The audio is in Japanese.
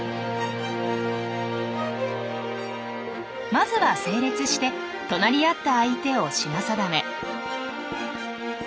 まずは整列して隣り合った相手を品定め。